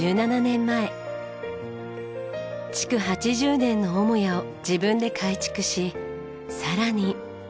築８０年の母屋を自分で改築しさらに。